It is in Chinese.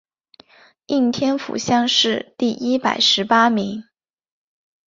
应天府乡试第一百十八名。